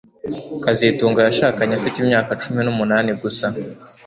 kazitunga yashakanye afite imyaka cumi numunani gusa